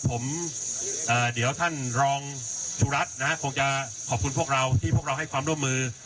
ผมเดี๋ยวท่านรองสุรัตน์นะฮะคงจะขอบคุณพวกเราที่พวกเราให้ความร่วมมือ